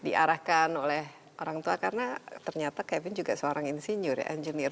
diarahkan oleh orang tua karena ternyata kevin juga seorang insinyur ya engineer